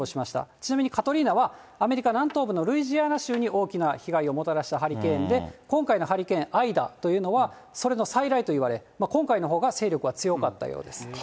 ちなみにカトリーナは、アメリカ南東部のルイジアナ州に大きな被害をもたらしたハリケーンで、今回のハリケーン・アイダというのはそれの再来といわれ、今回のほうが勢力は強かったようです。